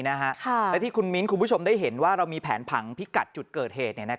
และที่คุณมิ้นท์คุณผู้ชมได้เห็นว่าเรามีแผนผังพิกัดจุดเกิดเหตุ